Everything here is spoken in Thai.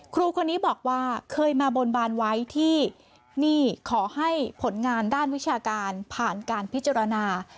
ครูคนนี้บอกว่าเคยมาบนบานไว้ที่นี่ขอให้ผลงานด้านวิชาการผ่านการพิจารณา